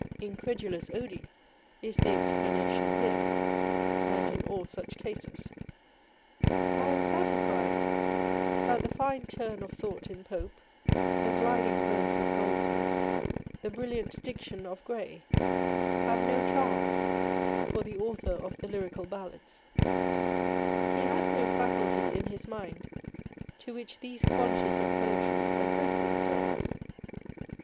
Incredulas odi is the explanation here, and in all such cases. I am satisfied that the fine turn of thought in Pope, the gliding verse of Goldsmith, the brilliant diction of Gray have no charms for the Author of the Lyrical Ballads : he has no faculty in his mind to which these qualities of poetry address themselves.